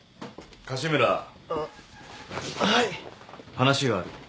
話がある。